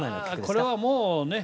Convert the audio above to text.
これはもうね